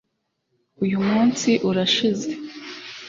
uyu munsi urashize